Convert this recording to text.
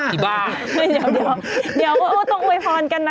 ที่บ้านเดี๋ยวก็ต้องอวยพรกันนะ